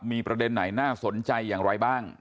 มีประเด็นไหนน่าสนใจอย่างไรบ้าง